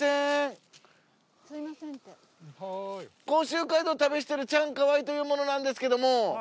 甲州街道を旅してるチャンカワイという者なんですけども。